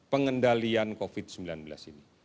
pengendalian covid sembilan belas ini